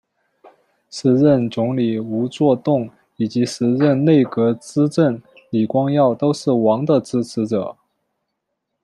时任总理吴作栋以及时任内阁资政李光耀都是王的支持者。